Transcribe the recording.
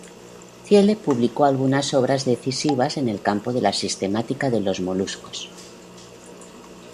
Thiele publicó algunas obras decisivas en el campo de la sistemática de los moluscos.